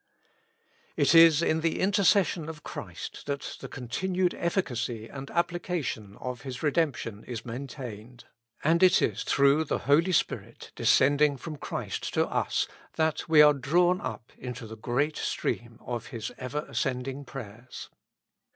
It is in the intercession of Christ that the continued efficacy and application of His redemption is main tained. And it is through the Holy Spirit descending from Christ to us that we are drawn up into the great stream of His ever ascending prayers.